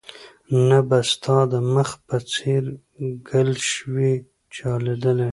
نه به ستا د مخ په څېر ګلش وي چا ليدلى